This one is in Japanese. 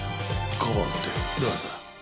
かばうって誰だ？